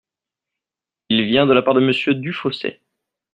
Il vient de la part de Monsieur Dufausset.